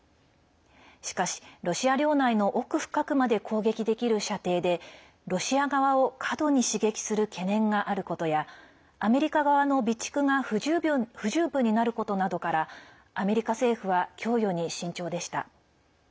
しかし、ロシア領内の奥深くまで攻撃できる射程でロシア側を過度に刺激する懸念があることやアメリカ側の備蓄が不十分になることなどからアメリカ政府は供与に慎重でした。